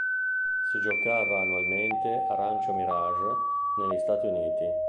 Si giocava annualmente a Rancho Mirage negli Stati Uniti.